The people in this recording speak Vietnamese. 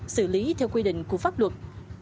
xử lý theo quy định của pháp luật